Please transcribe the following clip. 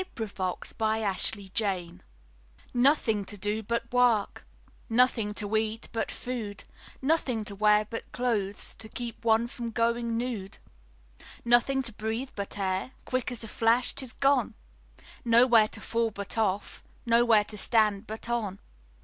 Ben King The Pessimist NOTHING to do but work, Nothing to eat but food, Nothing to wear but clothes To keep one from going nude. Nothing to breathe but air Quick as a flash 't is gone; Nowhere to fall but off, Nowhere to stand but on.